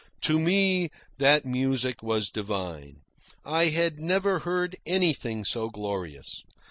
To me that music was divine. I had never heard anything so glorious.